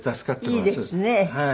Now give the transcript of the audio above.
いいですね。